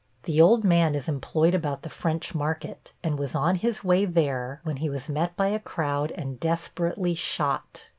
The old man is employed about the French Market, and was on his way there when he was met by a crowd and desperately shot.